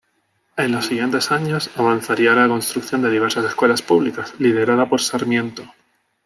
En los siguientes años, avanzaría la construcción de diversas escuelas públicas, liderada por Sarmiento.